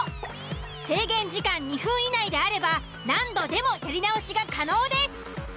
制限時間２分以内であれば何度でもやり直しが可能です。